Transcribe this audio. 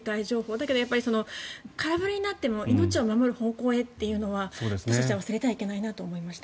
だけど空振りになっても命を守る方向へというのは忘れてはいけないなと思いました。